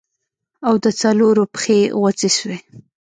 او د څلورو پښې غوڅې سوې.